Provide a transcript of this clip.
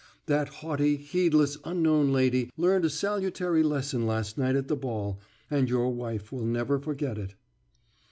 That haughty, heedless Unknown Lady learned a salutary lesson last night at the ball, and your wife will never forget it."